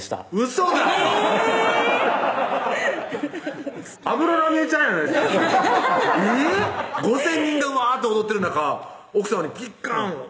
そんなんえぇ⁉５０００人がうわって踊ってる中奥さまにピッカーン